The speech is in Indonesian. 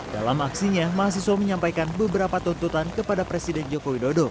dalam aksinya mahasiswa menyampaikan beberapa tuntutan kepada presiden joko widodo